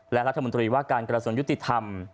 และรัฐมนตรีว่าการกระทรวงยุติธรรม